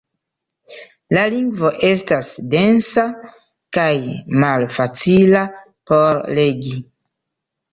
La lingvo estas densa kaj malfacila por legi.